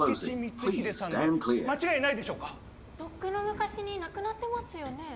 とっくの昔に亡くなってますよね？